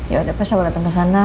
yaudah pas aku dateng kesana